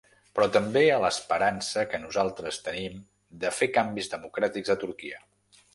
Però també a l’esperança que nosaltres tenim de fer canvis democràtics a Turquia.